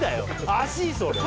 足それ。